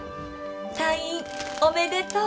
退院おめでとう！